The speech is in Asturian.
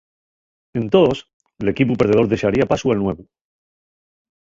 Entós, l'equipu perdedor dexaría pasu al nuevu.